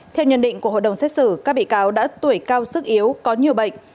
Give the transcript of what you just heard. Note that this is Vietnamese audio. theo nhận định của hội đồng xét xử các bị cáo đã tuổi cao sức yếu có nhiều bệnh